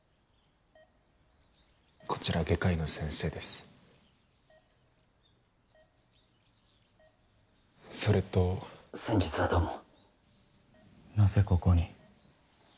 こちら外科医の先生ですそれと先日はどうもなぜここに？